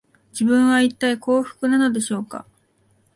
自分は、いったい幸福なのでしょうか